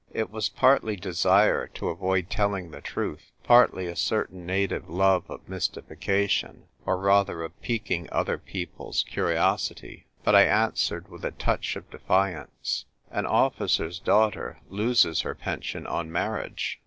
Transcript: It was partly desire to avoid telling the truth, partly a certain native love of mystifica tion — or rather of piquing other people's curiosity ; but I answered with a touch of defiance, "An officer's daughter loses her pension on marriage.